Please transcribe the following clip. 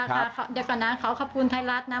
เดี๋ยวก่อนนะขอขอบคุณไทยรัฐนะ